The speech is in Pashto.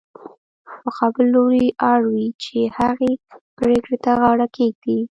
مقابل لوری اړ وي چې هغې پرېکړې ته غاړه کېږدي.